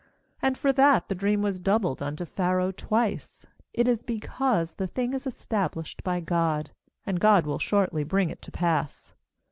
^And for that the dream was doubled unto Pharaoh twice, it is because the thing is established by God, and God will shortly bring it to pass.